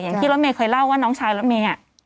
อย่างที่รถเมย์เคยเล่าว่าน้องชายรถเมย์